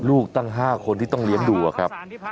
ลูกตั้ง๕คนที่ต้องเลี้ยงดูอะครับ